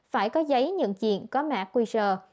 phải có giấy nhận diện có mạng quy rờ